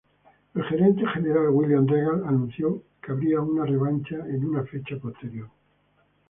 El Gerente General William Regal, anunció que habría una revancha en una fecha posterior.